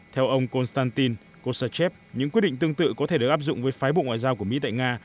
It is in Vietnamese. theo ông konstantin kosachev những quyết định tương tự có thể được áp dụng với phái bộ ngoại giao của mỹ tại nga